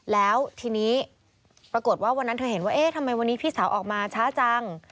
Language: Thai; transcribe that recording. แล้วทีนี้ปรากฏว่าวันนั้นเธอเห็นว่าเอ๊ะทำไมวันนี้พี่สาวออกมาช้าจัง